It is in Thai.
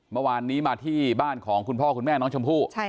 เมื่อวานนี้มาที่บ้านของคุณพ่อคุณแม่น้องชมพู่